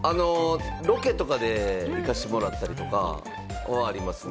ロケとかで行かしてもらったりとかはありますね。